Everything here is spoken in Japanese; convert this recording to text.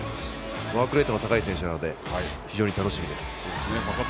ワークレートの高い選手なので非常に楽しみです。